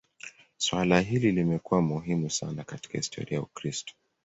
Suala hili limekuwa muhimu sana katika historia ya Ukristo.